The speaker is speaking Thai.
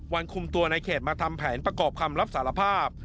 วันคุมตัวในเขตมาทำแผนประกอบคำรับสารภาพ